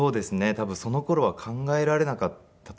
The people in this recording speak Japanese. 多分その頃は考えられなかったと思います。